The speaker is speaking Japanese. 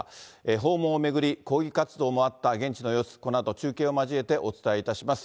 訪問を巡り、抗議活動もあった現地の様子、このあと、中継を交えてお伝えいたします。